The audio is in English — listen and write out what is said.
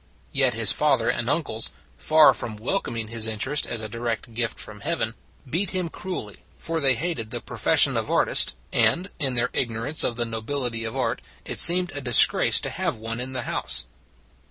Yet his father and uncles, far from wel coming his interest as a direct gift from Heaven, " beat him cruelly, for they hated the profession of artist, and, in their ig norance of the nobility of art, it seemed a disgrace to have one in the house."